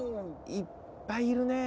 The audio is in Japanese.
いっぱいいるねぇ。